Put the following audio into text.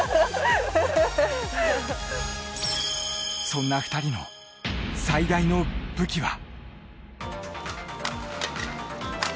そんな２人の最大の武器は。